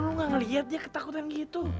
lu enggak ngelihat dia ketakutan gitu